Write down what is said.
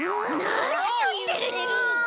なにいってるの。